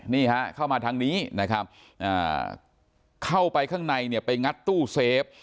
นี่ฮะเข้ามาทางนี้นะครับเข้าไปข้างในเนี่ยไปงัดตู้เซฟ